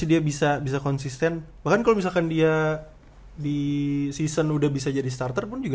dia bisa bisa konsisten bahkan kalau misalkan dia di season udah bisa jadi starter pun juga